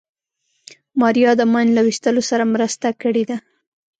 ماريا د ماين له ويستلو سره مرسته کړې وه.